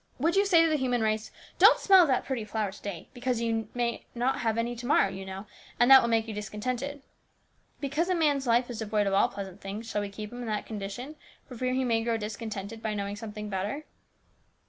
would you say to the human race, ' Don't smell that pretty flower to day, because you know you may not have any to morrow, and that will make you discontented ?' Because a man's life is devoid of all pleasant things, shall we keep him in that condition, for fear he may grow discontented by knowing something better